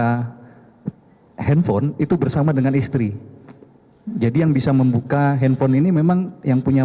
ada handphone itu bersama dengan istri jadi yang bisa membuka handphone ini memang yang punya